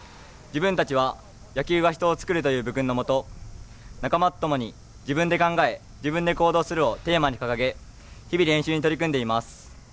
自分たちは「野球は人を作る」という部訓のもと、仲間と共に自分で考え、自分で行動するをテーマに掲げ日々練習に取り組んでいます。